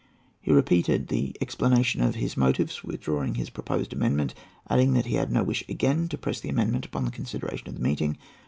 He repeated the explanation of the motives for withdrawing his proposed amendment, adding, that he had no wish again to press that amendment upon the consideration of the meeting.